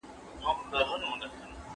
هغوی ته د ارزښت بيانول ښه احساس ورکوي.